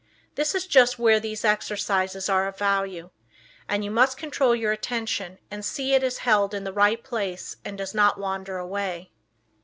This is just where these exercises are of value, and you must control your attention and see it is held in the right place and does not wander away.